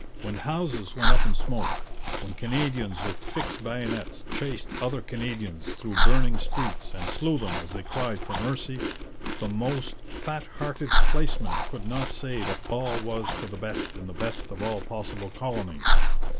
When houses went up in smoke, when Canadians with fixed bayonets chased other Canadians through burning streets and slew them as they cried for mercy, the most fat hearted place man could not say that all was for the best in the best of all possible colonies.